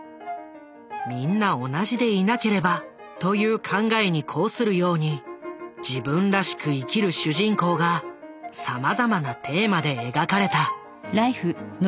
みんな同じでいなければという考えに抗するように自分らしく生きる主人公がさまざまなテーマで描かれた。